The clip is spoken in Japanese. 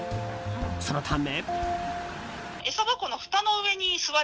そのため。